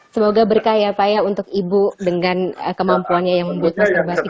semoga berkah ya pak ya untuk ibu dengan kemampuannya yang membuat masker basuki